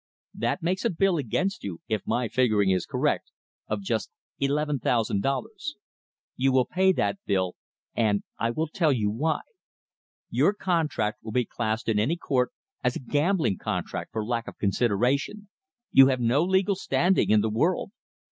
That makes a bill against you, if my figuring is correct, of just eleven thousand dollars. You will pay that bill, and I will tell you why: your contract will be classed in any court as a gambling contract for lack of consideration. You have no legal standing in the world.